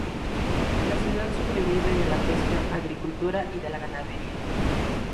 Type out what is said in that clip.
La ciudad sobrevive de la pesca, agricultura y de la ganadería.